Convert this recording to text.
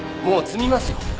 もう積みますよ。